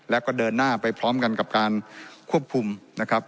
แล้วก็เดินหน้าไปพร้อมกันกับการควบคุมนะครับ